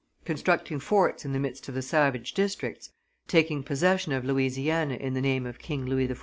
Constructing forts in the midst of the savage districts, taking possession of Louisiana in the name of King Louis XIV.